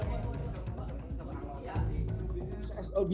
ha mengatakan bahwa dia tidak berpikir